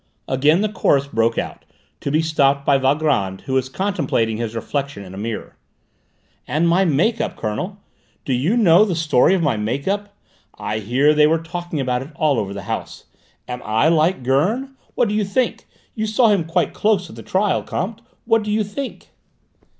Again the chorus broke out, to be stopped by Valgrand, who was contemplating his reflection in a mirror. "And my make up, Colonel? Do you know the story of my make up? I hear they were talking about it all over the house. Am I like Gurn? What do you think? You saw him quite close at the trial, Comte: what do you think?"